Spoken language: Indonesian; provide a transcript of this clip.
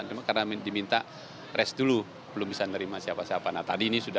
cuma karena diminta res dulu belum bisa nerima siapa siapa